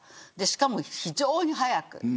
しかも非常に早く。